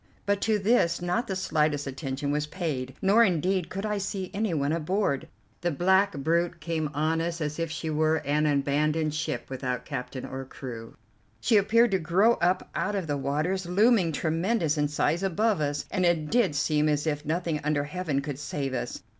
But to this not the slightest attention was paid, nor indeed could I see anyone aboard. The black brute came on as if she were an abandoned ship without captain or crew. She appeared to grow up out of the waters; looming tremendous in size above us, and it did seem as if nothing under Heaven could save us.